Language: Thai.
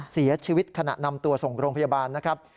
เสียชีวิตขณะนำตัวส่งโรงพยาบาลนะครับ